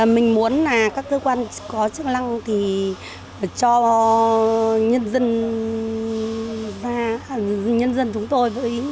mình muốn là các cơ quan có chức năng thì cho nhân dân chúng tôi